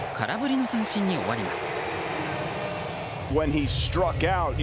空振りの三振に終わります。